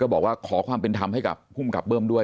บอกว่าขอความเป็นธรรมให้กับภูมิกับเบิ้มด้วย